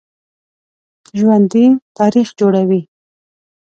ژوندي تاریخ جوړوي